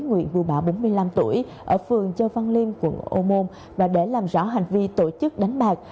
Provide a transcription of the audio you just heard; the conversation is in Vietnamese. nguyễn vũ bảo bốn mươi năm tuổi ở phường châu văn liên quận ô môn và để làm rõ hành vi tổ chức đánh bạc